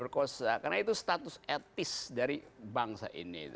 karena itu status etis dari bangsa ini